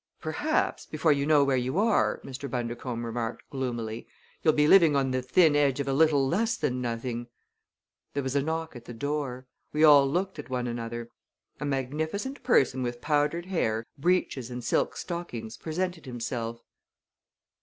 "Perhaps, before you know where you are," Mr. Bundercombe remarked gloomily, "you'll be living on the thin edge of a little less than nothing!" There was a knock at the door. We all looked at one another. A magnificent person with powdered hair, breeches and silk stockings presented himself.